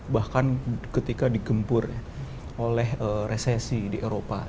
bahkan ketika digempur oleh resesi di eropa